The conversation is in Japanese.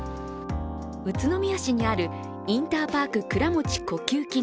宇都宮市にあるインターパーク倉持呼吸器